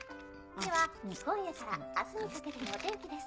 では今夜から明日にかけてのお天気です。